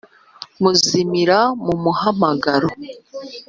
kuzimira mu muhamagaro.